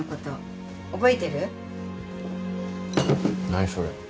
何それ？